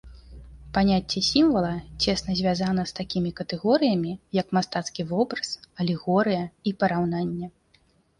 Паняцце сімвала цесна звязана з такімі катэгорыямі як мастацкі вобраз, алегорыя і параўнанне.